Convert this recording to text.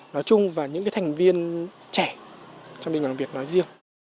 nói chung và những cái thành viên trẻ trong nhóm đình làng việt nói riêng